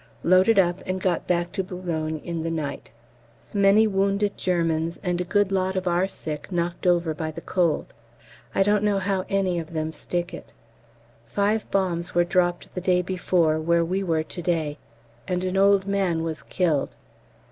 Loaded up and got back to B. in the night. Many wounded Germans and a good lot of our sick, knocked over by the cold. I don't know how any of them stick it. Five bombs were dropped the day before where we were to day, and an old man was killed.